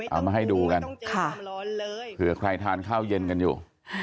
เอามาให้ดูกันค่ะเผื่อใครทานข้าวเย็นกันอยู่